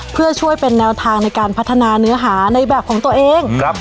เพื่อช่วยเป็นแนวทางในการพัฒนาเนื้อหาในแบบของตัวเอง